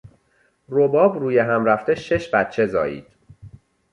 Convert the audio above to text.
رباب رویهمرفته شش بچه زایید.